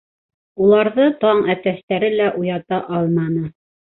Уларҙы таң әтәстәре лә уята алманы.